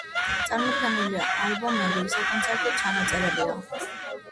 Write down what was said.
წარმოდგენილი ალბომები საკონცერტო ჩანაწერებია.